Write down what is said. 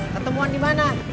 ketemuan di mana